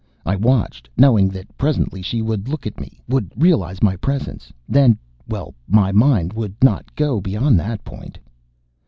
I watched, knowing that presently she would look at me, would realize my presence. Then well, my mind would not go beyond that point....